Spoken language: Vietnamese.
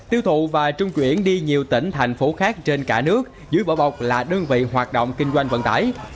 tiêu thụ và trung chuyển đi nhiều tỉnh thành phố khác trên cả nước dưới bỏ bọc là đơn vị hoạt động kinh doanh vận tải